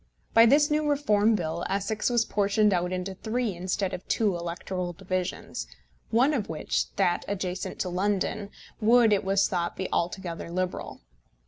By this new Reform Bill Essex was portioned out into three instead of two electoral divisions, one of which that adjacent to London would, it was thought, be altogether Liberal.